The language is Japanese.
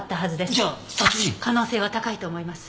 可能性は高いと思います。